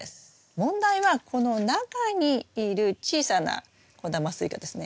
問題はこの中にいる小さな小玉スイカですね。